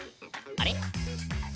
あれ？